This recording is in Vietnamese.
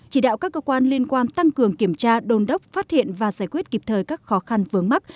chỉ đạo các cơ quan liên quan tăng cường kiểm tra đôn đốc phát hiện và giải quyết kịp thời các khó khăn vướng mắt